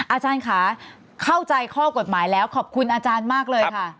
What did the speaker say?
อาจารย์ค่ะเข้าใจข้อกฎหมายแล้วขอบคุณอาจารย์มากเลยค่ะ